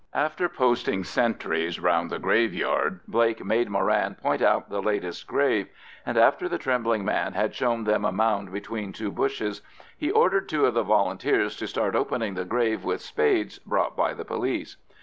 After posting sentries round the graveyard, Blake made Moran point out the latest grave, and after the trembling man had shown them a mound between two bushes, he ordered two of the Volunteers to start opening the grave with spades brought by the police.